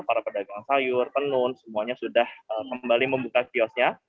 para pedagang sayur tenun semuanya sudah kembali membuka kiosnya